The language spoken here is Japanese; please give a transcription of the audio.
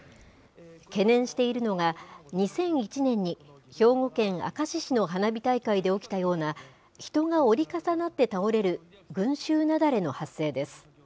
懸念しているのが、２００１年に兵庫県明石市の花火大会で起きたような、人が折り重なって倒れる群集雪崩の発生です。